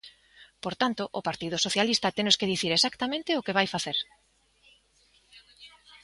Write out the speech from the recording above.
Por tanto, o Partido Socialista tenos que dicir exactamente o que vai facer.